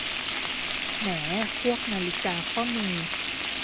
แหม พวกนาฬิกาข้อมือ